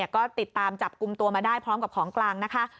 ก็ติดตามจับกลุ่มตัวมาได้พร้อมกับของกลางนะคะ